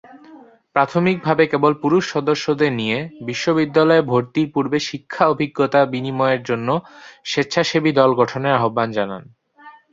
প্রাথমিকভাবে কেবল পুরুষ সদস্যদের নিয়ে বিশ্ববিদ্যালয়ে ভর্তির পূর্বে শিক্ষা অভিজ্ঞতা বিনিময়ের জন্য স্বেচ্ছাসেবী দল গঠনের আহ্বান জানান।